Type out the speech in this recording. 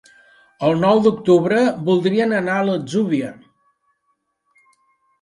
El nou d'octubre voldrien anar a l'Atzúbia.